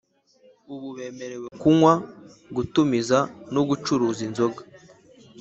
Ubu bemerewe kunywa, gutumiza no gucuruza inzoga.